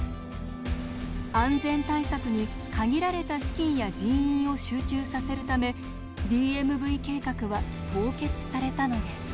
「安全対策」に限られた資金や人員を集中させるため「ＤＭＶ計画」は凍結されたのです。